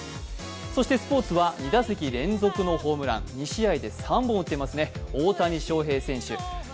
そしてスポーツは２打席連続のホームラン２試合で３本打ってますね、大谷翔平選手。